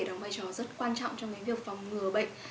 đóng vai trò rất quan trọng trong việc phòng ngừa bệnh